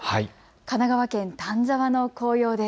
神奈川県丹沢の紅葉です。